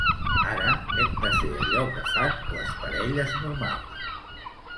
Ara hem de fer allò que fan les parelles normals.